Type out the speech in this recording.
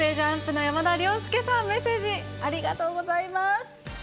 ＪＵＭＰの山田涼介さん、メッセージありがとうございます。